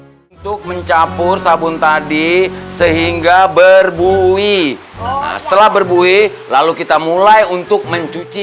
untuk mencampur sabun tadi sehingga berbuih setelah berbuih lalu kita mulai untuk mencuci